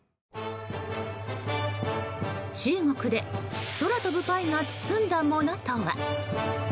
中国で空飛ぶパイが包んだものとは？